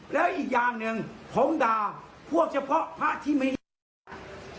แล้วอีกอย่างหนึ่งผมด่าพวกเฉพาะพระที่ไม่ดี